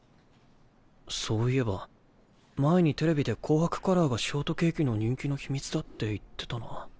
そういえば前にテレビで紅白カラーがショートケーキの人気の秘密だって言ってたな。